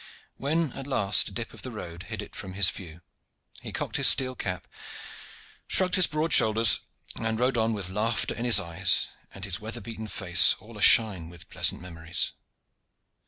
When at last a dip of the road hid it from his view, he cocked his steel cap, shrugged his broad shoulders, and rode on with laughter in his eyes, and his weather beaten face all ashine with pleasant memories.